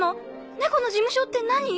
猫の事務所って何？